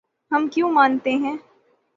ہم کیوں مناتے ہیں